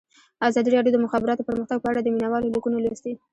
ازادي راډیو د د مخابراتو پرمختګ په اړه د مینه والو لیکونه لوستي.